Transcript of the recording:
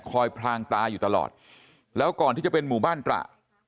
พลางตาอยู่ตลอดแล้วก่อนที่จะเป็นหมู่บ้านตระ